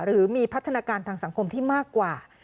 หรือมีพัฒนาการทางสังคมที่มากกว่า